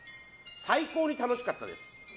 最高に楽しかったです。